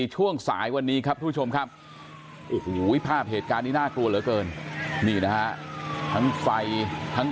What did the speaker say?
ห้วววภาพเหตุการณ์นี้น่ากลัวเลยเขินนี่นะฮะทั้งไฟทั้ง